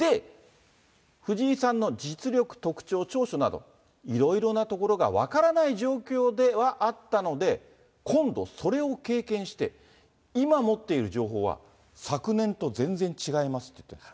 藤井さんの実力、特徴、長所など、いろいろなところが分からない状況ではあったので、今度、それを経験して、今持っている情報は、昨年と全然違いますって言ってます。